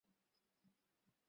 বাহ, গল্পটা এভাবেও বলা যায়।